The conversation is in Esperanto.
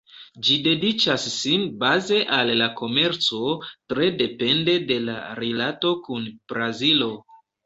Ĝi dediĉas sin baze al la komerco, tre depende de la rilato kun Brazilo.